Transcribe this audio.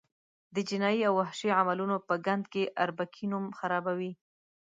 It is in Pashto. د جنایي او وحشي عملونو په ګند کې اربکي نوم خرابوي.